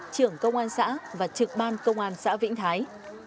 trưởng công an xã và trực ban công an xã vĩnh thái